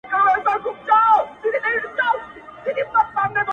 o د خان د کوره خو پخه نۀ راځي ,